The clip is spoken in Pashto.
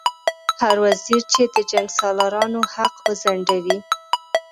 هر وزیر چې د جنګسالارانو حق وځنډوي.